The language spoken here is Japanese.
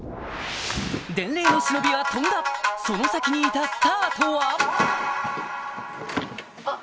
伝令の忍びは飛んだその先にいたスターとは？